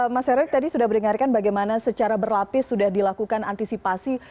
mas heri tadi sudah mendengarkan bagaimana secara berlapis sudah dilakukan antisipasi